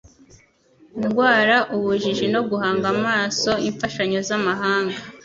indwara, ubujiji no guhanga amaso imfashanyo z'amahanga.